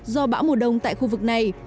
do bão mùa đông tại khu vực này